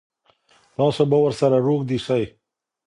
تاسو به ورسره روږدي سئ.